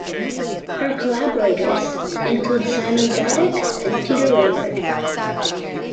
Her collaborators include Simon Zadek and Peter Raynard.